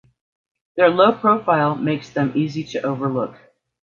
Their low profile makes them easy to overlook.